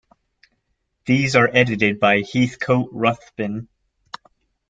These are edited by Heathcote Ruthven.